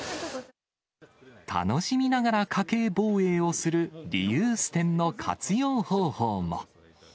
楽しみながら家計ぼうえいをするリユース店の活用方法も。